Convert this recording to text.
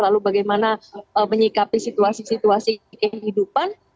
lalu bagaimana menyikapi situasi situasi kehidupan